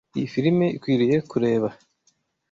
Iyi firime ikwiriye kureba.